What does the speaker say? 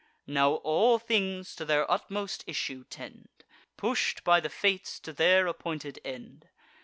Now all things to their utmost issue tend, Push'd by the Fates to their appointed end.